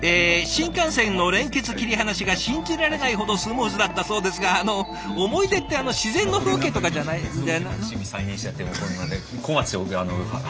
新幹線の連結切り離しが信じられないほどスムーズだったそうですがあの思い出ってあの自然の風景とかじゃないじゃな。